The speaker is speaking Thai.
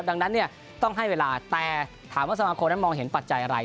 ดังนั้นต้องให้เวลาแต่ถามว่าสมาคมนั้นมองเห็นปัจจัยอะไร